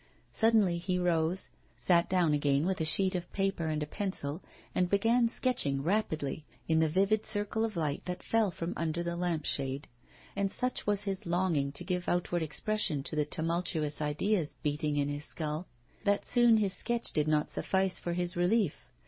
Suddenly he rose, sat down again with a sheet of paper and a pencil, and began sketching rapidly, in the vivid circle of light that fell from under the lamp shade. And such was his longing to give outward expression to the tumultuous ideas beating in his skull, that soon this sketch did not suffice for his relief.